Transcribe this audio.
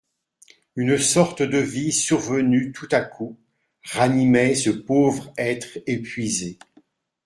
Une sorte de vie survenue tout à coup ranimait ce pauvre être épuisé.